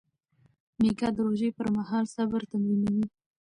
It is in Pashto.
میکا د روژې پر مهال صبر تمرینوي.